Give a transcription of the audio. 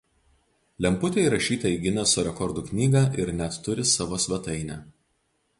Lemputė įrašyta į Gineso rekordų knygą ir net turi savo svetainę.